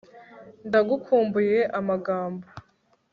ndagukumbuye amagambo